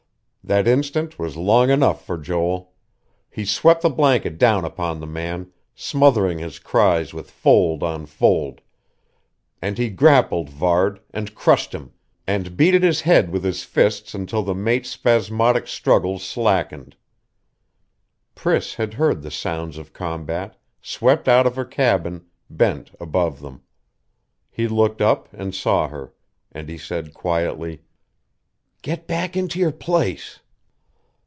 That instant was long enough for Joel. He swept the blanket down upon the man, smothering his cries with fold on fold; and he grappled Varde, and crushed him, and beat at his head with his fists until the mate's spasmodic struggles slackened. Priss had heard the sounds of combat, swept out of her cabin, bent above them. He looked up and saw her; and he said quietly: "Get back into your place."